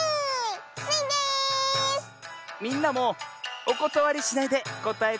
みんなもおことわりしないでこたえてよ。